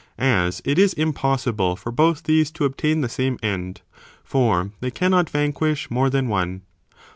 as it is impossible for both these to obtain the same end, for they cannot vanquish more than one.